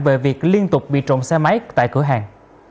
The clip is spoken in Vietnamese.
về việc liên tục bị trộm xe máy tại cửa hàng